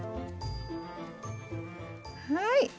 はい。